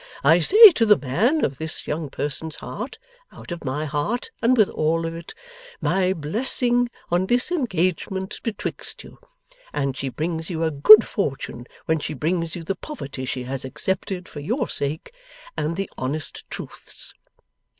I say to the man of this young person's heart, out of my heart and with all of it, "My blessing on this engagement betwixt you, and she brings you a good fortune when she brings you the poverty she has accepted for your sake and the honest truth's!"